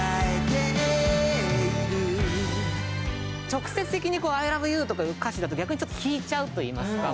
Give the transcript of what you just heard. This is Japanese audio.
直接的に「アイラブユー」とかいう歌詞だと逆にちょっと引いちゃうといいますか。